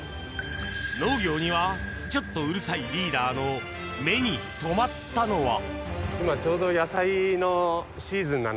農業にはちょっとうるさいリーダーの目にとまったのは。